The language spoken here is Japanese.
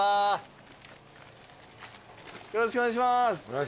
よろしくお願いします。